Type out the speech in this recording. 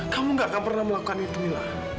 kamu nggak akan pernah melakukan itu mila